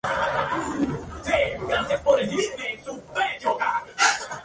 Este año se entregaron los premios Antagónicos y Villanos por separado.